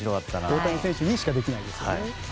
大谷選手にしかできないですね。